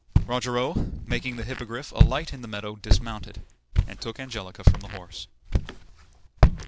Rogero, making the Hippogriff alight in the meadow, dismounted, and took Angelica from the horse.